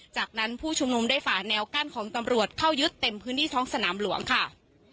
จากนั้นผู้ชุมนุมได้ฝ่าแนวกั้นของตำรวจเข้ายึดเต็มพื้นที่ท้องสนามหลวงค่ะ